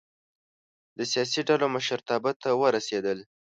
د سیاسي ډلو مشرتابه ته ورسېدل.